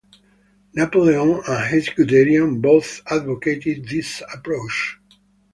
Napoleon and Heinz Guderian both advocated this approach.